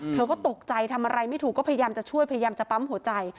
เธอก็ตกใจทำอะไรไม่ถูกก็พยายามจะช่วยพยายามจะปั๊มหัวใจ